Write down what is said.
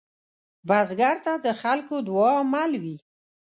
بزګر ته د خلکو دعاء مل وي